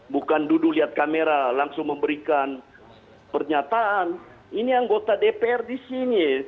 bukan duduk lihat kamera langsung memberikan pernyataan ini anggota dpr di sini